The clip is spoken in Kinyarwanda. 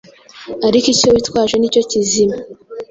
ariko icyo witwaje nicyo kizima